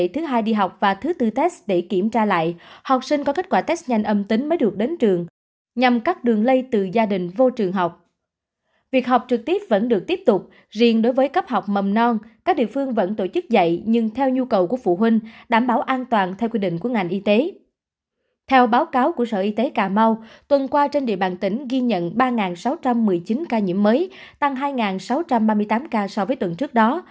theo báo cáo của sở y tế cà mau tuần qua trên địa bàn tỉnh ghi nhận ba sáu trăm một mươi chín ca nhiễm mới tăng hai sáu trăm ba mươi tám ca so với tuần trước đó